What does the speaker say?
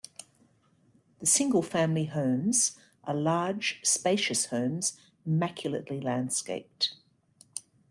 The single family homes are large spacious homes immaculately landscaped.